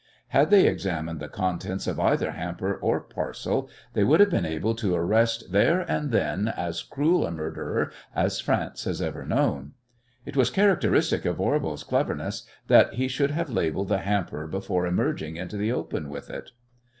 Had they examined the contents of either hamper or parcel they would have been able to arrest there and then as cruel a murderer as France has ever known. It was characteristic of Voirbo's cleverness that he should have labelled the hamper before emerging into the open with it.